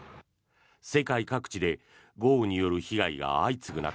世界各地で豪雨による被害が相次ぐ中